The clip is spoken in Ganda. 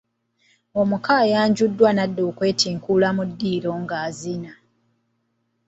Omuko ayanjuddwa n’adda mu kwentinkuula mu diiro nga azina!